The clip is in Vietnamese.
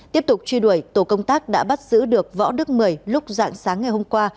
tiếp tục truy đuổi tổ công tác đã bắt giữ được võ đức mười lúc dạng sáng ngày hôm qua